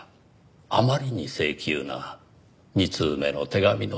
あまりに性急な２通目の手紙の内容に。